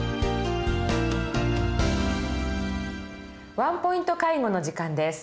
「ワンポイント介護」の時間です。